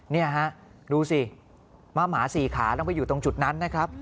นี่ฮะดูสิม้าหมาสี่ขาต้องไปอยู่ตรงจุดนั้นนะครับ